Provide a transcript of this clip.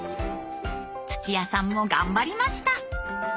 土屋さんも頑張りました。